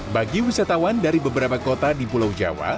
bagi wisatawan dari beberapa kota di pulau jawa